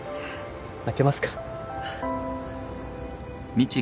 開けますか？